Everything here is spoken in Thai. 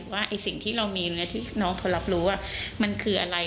ว่าสิ่งที่เรามีเนื้อที่น้องเขารับรู้ว่ามันคืออะไร